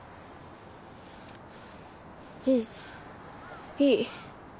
うんいい。